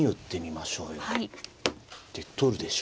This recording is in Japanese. で取るでしょ。